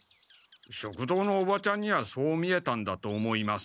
食堂のおばちゃんにはそう見えたんだと思います。